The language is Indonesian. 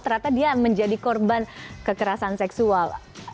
ternyata dia menjadi korban kekerasan seksual